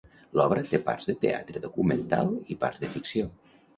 L'obra té parts de teatre documental i parts de ficció.